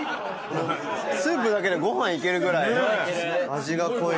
・スープだけでご飯いけるぐらい味が濃い。